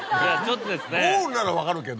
ゴールなら分かるけど。